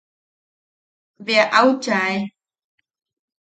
Bea au chae.